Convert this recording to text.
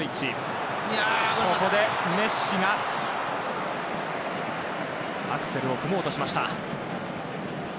メッシがアクセルを踏もうとしました。